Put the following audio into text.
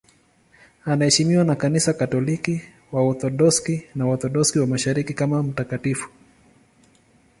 Anaheshimiwa na Kanisa Katoliki, Waorthodoksi na Waorthodoksi wa Mashariki kama mtakatifu.